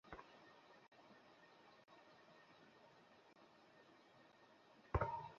দয়া করে কেউ এখানে এসে সাহায্য করো!